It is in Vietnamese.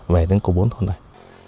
về đến của bốn thôn này